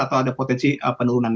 atau ada potensi penurunan